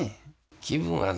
気分はね